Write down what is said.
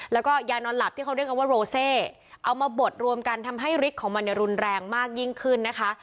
แล้วก็ยานอนหลับที่เขาเรียกกันว่าโรเซเอามาบดรวมกันทำให้ฤทธิ์ของมันเนี่ยรุนแรงมากยิ่งขึ้นนะคะ